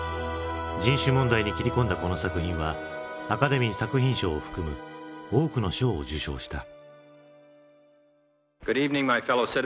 人種問題に切り込んだこの作品はアカデミー作品賞を含む多くの賞を受賞した。